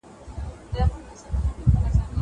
زه به کتابونه ليکلي وي.